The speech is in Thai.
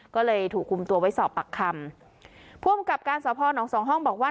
ก็เลยถูกคุมตัวไว้สอบปากคำผู้อำกับการสพนสองห้องบอกว่า